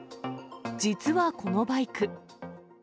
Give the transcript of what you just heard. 実はこのバイク。